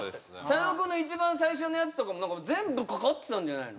佐野君の一番最初のやつとかも全部かかってたんじゃないの？